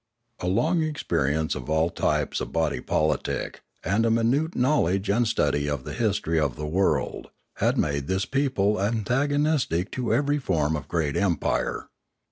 A long experience of all types of body politic, and a minute knowledge and study of the history of the world, had made this people antagonistic to every form of great empire.